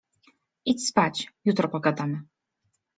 Idź spać, jutro pogadamy.